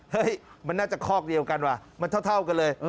เฮ้ยมันน่าจะคอกเดียวกันว่ะมันเท่ากันเลย